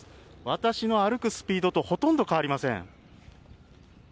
私の歩くスピードとほとんど変わりません。